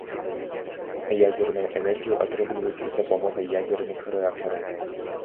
Ядзерную энергію атрымліваюць з дапамогай ядзерных рэактараў.